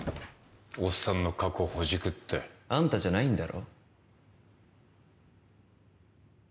おっさんの過去ほじくってあんたじゃないんだろ？